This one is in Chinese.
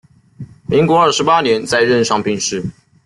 民国二十八年在任上病逝。